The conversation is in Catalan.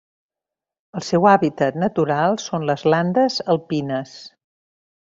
El seu hàbitat natural són les landes alpines.